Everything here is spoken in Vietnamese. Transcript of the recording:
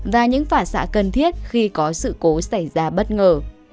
và những phản xạ cần thiết khi có sự cố xảy ra bất ngờ